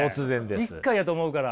一回やと思うから。